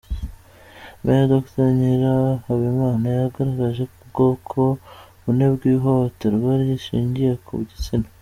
Meya Dr Nyirahabimana yagaragaje ubwoko bune bw’ ihohoterwa rishingiye ku gitsina.